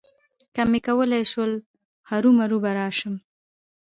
که مې کولای شول، هرومرو به راشم.